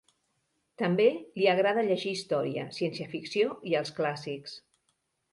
També li agrada llegir història, ciència ficció i els clàssics.